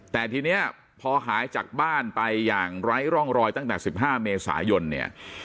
แต่ทีนี้พอหายจากบ้านไปอย่างไร้ร่องรอยตั้งแต่๑๕เมษายนเนี่ย